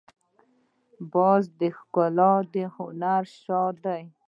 باز د ښکار د هنر شاه دی